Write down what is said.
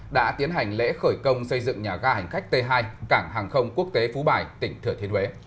đã tiến hành lễ khởi công xây dựng nhà ga hành khách t hai cảng hàng không quốc tế phú bài tỉnh thừa thiên huế